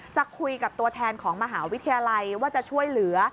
จะคุยกับตัวแทนของมหาวิทยาลัยว่าจะช่วยเหลือ